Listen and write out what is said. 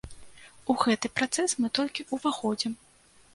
У гэты працэс мы толькі ўваходзім.